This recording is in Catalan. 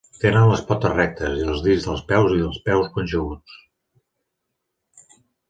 Tenen les potes rectes, i els dits dels peus i dels peus punxeguts.